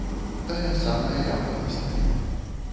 Тая самая лямпа на стале.